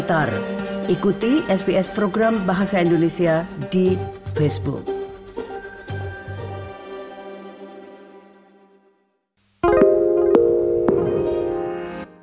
dan dikongsi sebagai siapa yang kita adalah